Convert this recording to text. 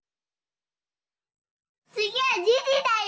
つぎはじじだよ。